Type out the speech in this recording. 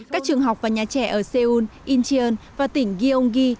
các trường học và nhà trẻ ở seoul incheon và tỉnh gyeonggi